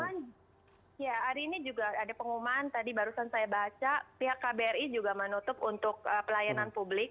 ya hari ini juga ada pengumuman tadi barusan saya baca pihak kbri juga menutup untuk pelayanan publik